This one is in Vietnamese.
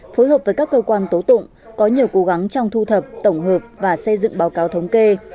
phối hợp với các cơ quan tố tụng có nhiều cố gắng trong thu thập tổng hợp và xây dựng báo cáo thống kê